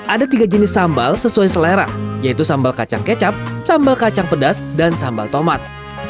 ada tiga jenis sambal sesuai selera yaitu sambal kacang kecap sambal kacang pedas dan sambal tomat